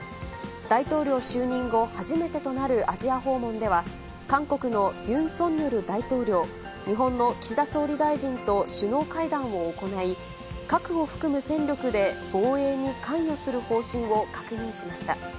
大統領就任後初めてとなるアジア訪問では、韓国のユン・ソンニョル大統領、日本の岸田総理大臣と首脳会談を行い、核を含む戦力で防衛に関与する方針を確認しました。